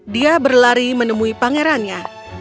dia berlari menemui pangerannya